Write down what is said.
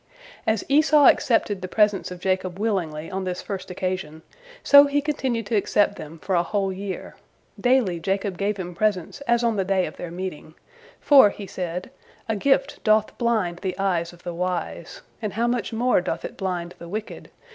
As Esau accepted the presents of Jacob willingly on this first occasion, so he continued to accept them for a whole year; daily Jacob gave him presents as on the day of their meeting, for, he said, "'A gift doth blind the eyes of the wise,' and how much more doth it blind the wicked!